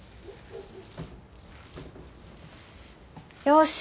よし。